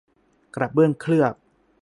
กระเบื้องเคลือบ